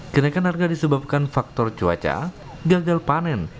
kenaikan harga disebabkan faktor cuaca gagal panen